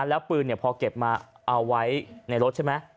แล้วปืนพอเก็บมาเอาไว้ในรถใช่ไหม